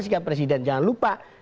sikap presiden jangan lupa